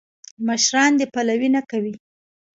مشران دې پلوي نه کوي.